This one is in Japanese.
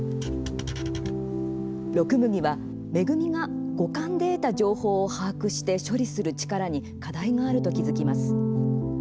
六麦は恵が五感で得た情報を把握して処理する力に課題があると気付きます。